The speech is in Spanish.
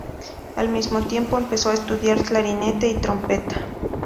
Al mismo tiempo, empezó a estudiar clarinete y trompeta.